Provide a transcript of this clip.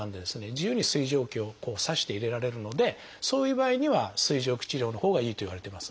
自由に水蒸気を刺して入れられるのでそういう場合には水蒸気治療のほうがいいといわれています。